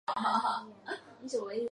离散政治是离散学的一部份。